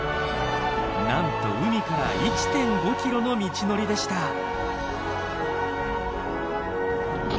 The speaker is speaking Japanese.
なんと海から１．５ｋｍの道のりでした。